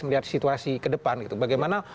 melihat situasi ke depan gitu bagaimana